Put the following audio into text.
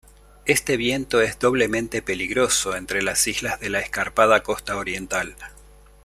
Este viento es doblemente peligroso entre las islas de la escarpada costa oriental.